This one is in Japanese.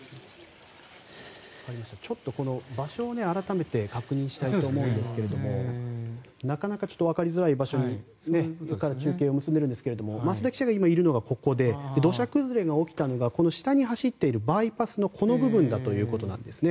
ちょっと、場所を改めて確認したいと思うんですがなかなか分かりづらい場所から中継を結んでいるんですが増田記者がいるのがここで土砂崩れが起きたのが下に走っているバイパスのこの部分ということなんですね。